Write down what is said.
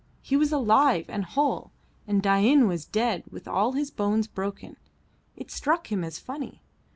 he was alive and whole, and Dain was dead with all his bones broken. It struck him as funny.